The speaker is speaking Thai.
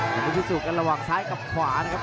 จะมารู้สู้กันระหว่างซ้ายกับขวานะครับ